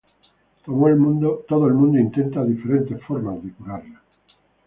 Todo el mundo intenta diferentes formas de curarla.